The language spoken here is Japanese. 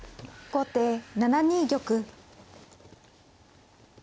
後手７二玉。